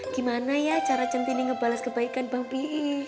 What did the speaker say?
gimana ya cara centini ngebalas kebaikan bang p i